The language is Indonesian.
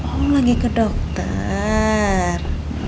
oh lagi ke dokter